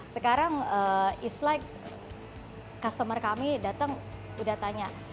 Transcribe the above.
sekarang it's like customer kami datang udah tanya